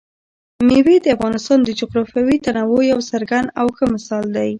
مېوې د افغانستان د جغرافیوي تنوع یو څرګند او ښه مثال دی.